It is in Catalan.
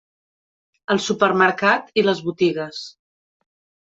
El supermercat i les botigues.